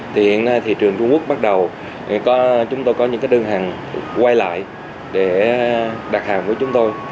thì hiện nay thị trường trung quốc bắt đầu chúng tôi có những đơn hàng quay lại để đặt hàng của chúng tôi